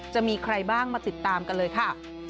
จะมีใครบ้างมาติดตามกันเลยค่ะ